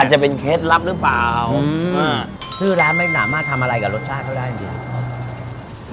อาจจะเป็นเคสลับหรือเปล่าอือชื่อแล้วไม่สนามมากทำอะไรกับรสชาติของเขาได้จริงจริง